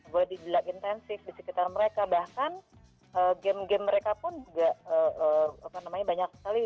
body lock intensif di sekitar mereka bahkan game game mereka pun juga banyak sekali